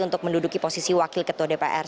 untuk menduduki posisi wakil ketua dpr